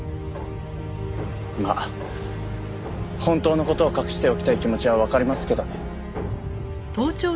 まあ本当の事を隠しておきたい気持ちはわかりますけどね。